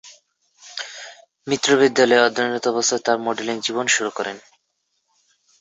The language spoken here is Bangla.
মিত্র বিদ্যালয়ে অধ্যয়নরত অবস্থায় তার মডেলিং জীবন শুরু করেন।